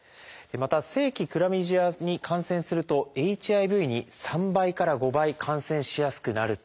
また性器クラミジアに感染するとＨＩＶに３倍から５倍感染しやすくなるといわれています。